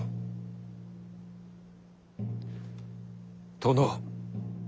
殿。